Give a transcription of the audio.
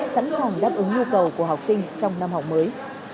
sẵn sàng đáp ứng nhu cầu của học sinh trong năm học mới